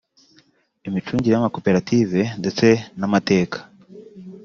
imicungire y’amakoperative ndetse n’amateka